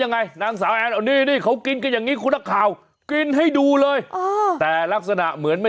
นี่เอาให้นักข่าวของเรากินนะ